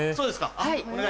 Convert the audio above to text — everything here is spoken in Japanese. はい。